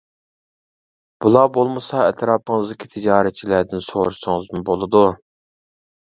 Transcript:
بۇلار بولمىسا ئەتراپىڭىزدىكى تىجارەتچىلەردىن سورىسىڭىزمۇ بولىدۇ.